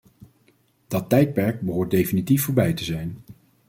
Dat tijdperk behoort definitief voorbij te zijn.